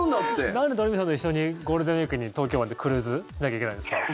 なんで鳥海さんと一緒にゴールデンウィークに東京湾でクルーズしなきゃいけないんですか？